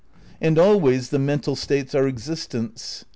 And always the mental states are existents.